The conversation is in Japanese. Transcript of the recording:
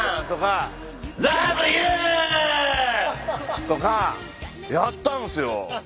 掛け声。とかやったんすよ。